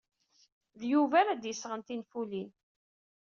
D Yuba ara d-yesɣen tinfulin.